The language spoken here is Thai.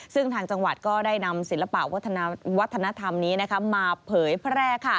ซึ่งทางจังหวัดก็ได้นำศิลปะวัฒนธรรมนี้มาเผยแพร่